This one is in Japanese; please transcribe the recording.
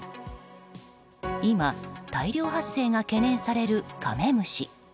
今、大量発生が懸念されるカメムシ。